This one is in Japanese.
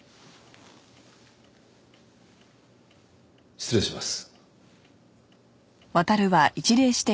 失礼します。